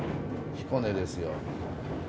彦根ですよ。